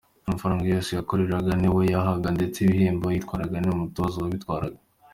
Amafaranga yose yakoreraga ni we yayahaga, ndetse n’ibihembo yatwaraga ni umutoza wabitwaraga.